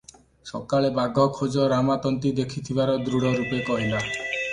ସକାଳେ ବାଘ ଖୋଜ ରାମା ତନ୍ତୀ ଦେଖିଥିବାର ଦୃଢ଼ ରୂପେ କହିଲା ।